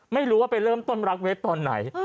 ไม่รู้ว่าไปเริ่มต้นรักเวฟตอนไหน